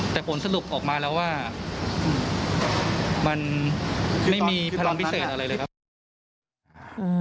แต่ผลสรุปออกมาแล้วว่ามันไม่มีพลังพิเศษอะไรเลยครับ